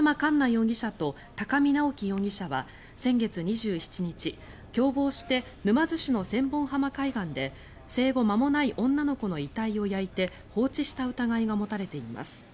容疑者と高見直輝容疑者は先月２７日共謀して、沼津市の千本浜海岸で生後間もない女の子の遺体を焼いて放置した疑いが持たれています。